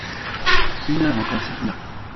Une heure encore s'écoula.